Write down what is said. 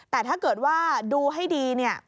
แต่ถ้าเกิดว่าดูให้ดี